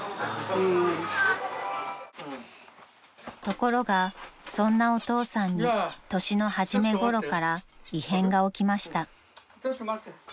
［ところがそんなお父さんに年の初めごろから異変が起きました］